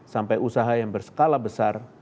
sampai usaha yang berskala besar